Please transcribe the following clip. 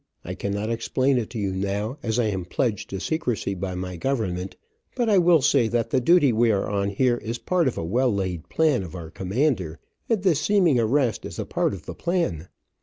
I cannot explain it to you now, as I am pledged to secrecy by my government, but I will say that the duty we are on here is part of a well laid plan of our commander, and this seeming arrest is a part of the plan.